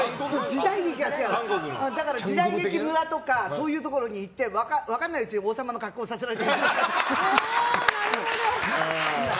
だから、時代劇村とかそういうところに行って分からないうちに王様の格好させられたり。